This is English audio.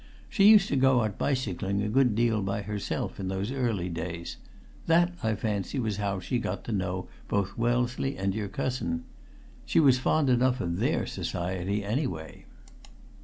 She used to go out bicycling a good deal by herself in those early days that, I fancy, was how she got to know both Wellesley and your cousin. She was fond enough of their society anyway!"